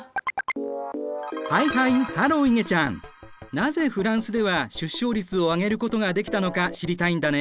なぜフランスでは出生率を上げることができたのか知りたいんだね。